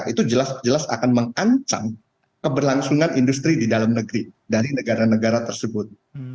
itu jelas jelas akan mengancam keberlangsungan industri di dalam negeri dari negara negara tersebut